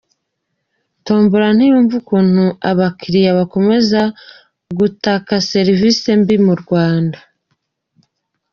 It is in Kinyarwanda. Tombola ntiyumva ukuntu abakiliya bakomeza gutaka serise mbi mu Rwanda.